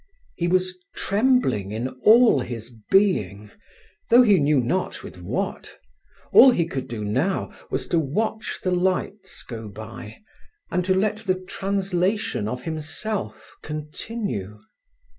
He was trembling in all his being, though he knew not with what. All he could do now was to watch the lights go by, and to let the translation of himself continue.